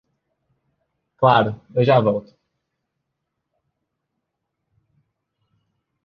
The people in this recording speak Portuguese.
Claro, eu já volto.